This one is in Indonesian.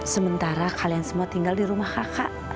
sementara kalian semua tinggal di rumah kakak